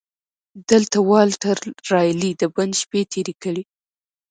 دلته والټر رالي د بند شپې تېرې کړې.